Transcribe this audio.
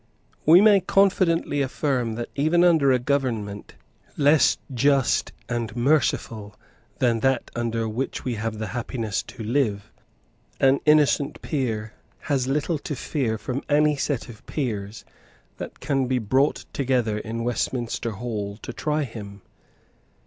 We may confidently affirm that, even under a government less just and merciful than that under which we have the happiness to live, an innocent peer has little to fear from any set of peers that can be brought together in Westminster Hall to try him.